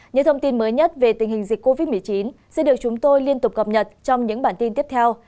những thông tin mới nhất về tình hình dịch covid một mươi chín sẽ được chúng tôi liên tục cập nhật trong những bản tin tiếp theo